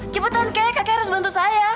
cepetan kek kakek harus bantu saya